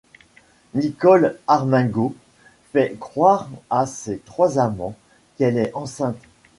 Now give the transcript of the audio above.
Nicole Armingault fait croire à ses trois amants qu'elle est enceinte.